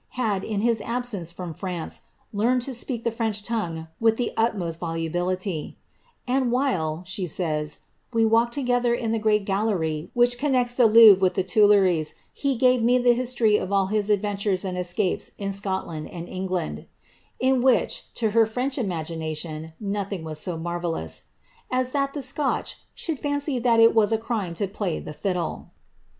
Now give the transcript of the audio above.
had, in his absence from France, learned to speak the French tongue with the utmost volubility ;" and while," dit says, " we walked together in the great gallery which connecU Ae Louvre with the Tu tileries, he gave me the history of all his adventiirei and escapes in Scotland and England," in which, to her French imagine tion, nothing was so marvellous ^'as that the Scotch should &ney thitil was a crime to play on the fiddle."